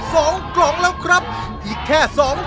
หนึ่งล้านหนึ่งล้านหนึ่งล้าน